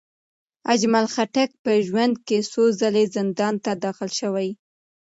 اجمل خټک په ژوند کې څو ځلې زندان ته داخل شوی.